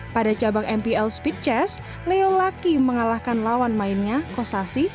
pada cabang mpl speed chess leo lucky mengalahkan lawan mainnya kosasi